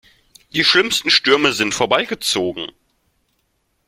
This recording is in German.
Die schlimmsten Stürme sind vorbeigezogen.